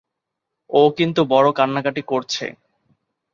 ও কিন্তু বড়ো কান্নাকাটি করছে।